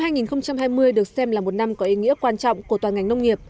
năm hai nghìn hai mươi được xem là một năm có ý nghĩa quan trọng của toàn ngành nông nghiệp